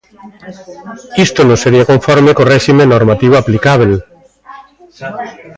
Isto non sería conforme co réxime normativo aplicábel.